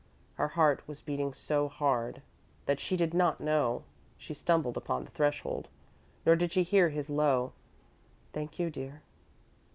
Her heart was beating so hard that she did not know she stumbled upon the threshold, nor did she hear his low: "Thank you dear."